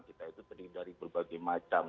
kita itu terdiri dari berbagai macam